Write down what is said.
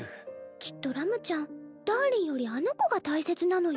きっとラムちゃんダーリンよりあの子が大切なのよ。